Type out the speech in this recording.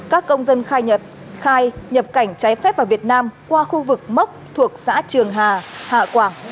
các công dân khai nhập cảnh trái phép vào việt nam qua khu vực mốc thuộc xã trường hà hà quảng